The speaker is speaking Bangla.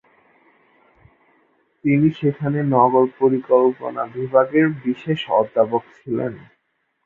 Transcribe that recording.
তিনি সেখানে নগর-পরিকল্পনা বিভাগের বিশেষ অধ্যাপক ছিলেন।